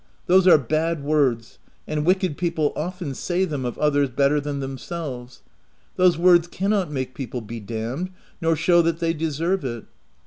Those are bad words, and wicked people often say them of others better than themselves. Those w r ords cannot make people be damned, nor show that they deserve it.